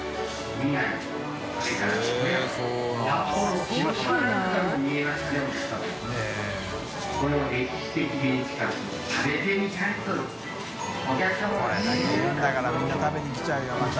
みんな食べに来ちゃうよまた。